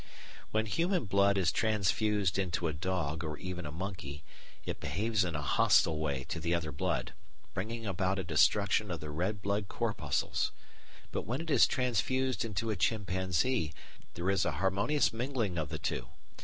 When human blood is transfused into a dog or even a monkey, it behaves in a hostile way to the other blood, bringing about a destruction of the red blood corpuscles. But when it is transfused into a chimpanzee there is an harmonious mingling of the two.